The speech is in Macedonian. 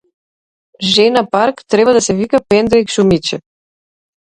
Жена парк треба да се вика пендрек шумиче!